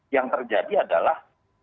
yang terjadi adalah